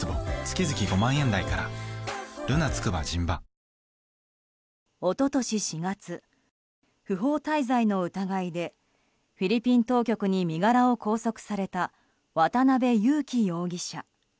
東京海上日動一昨年４月、不法滞在の疑いでフィリピン当局に身柄を拘束された渡邉優樹容疑者。